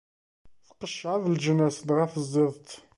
Tqeccɛeḍ leǧnas, dɣa teẓẓiḍ-tt.